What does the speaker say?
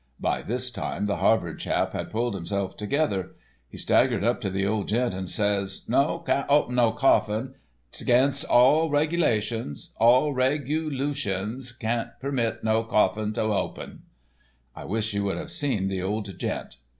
By this time the Harvard chap had pulled himself together. He staggered up to the old gent and says, 'No, can't op'n no coffin, 'tsgainst all relugations—all regalutions, can't permit no coffin tobeopp'n.' I wish you would have seen the old gent.